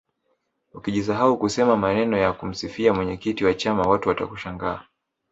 ukijisahau kusema maneno ya kumsifia mwenyekiti wa chama watu watakushangaa